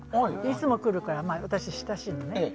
いつも来るから私、親しいのね。